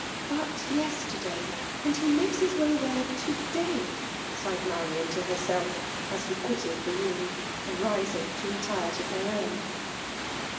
^' But yesterday, — and he makes his way 16 FEMALE ]X)MiNATION. there to day/' sighed Marian to herself, as he quitted the room; and rising to retire to her own.